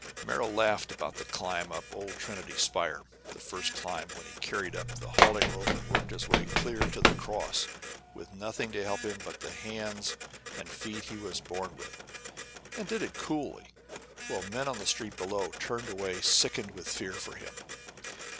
Merrill laughed about the climb up old Trinity's spire, the first climb when he carried up the hauling rope and worked his way clear to the cross, with nothing to help him but the hands and feet he was born with, and did it coolly, while men on the street below turned away sickened with fear for him.